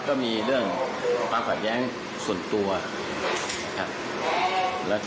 ก็มีเรื่องความขัดแย้งส่วนตัวครับ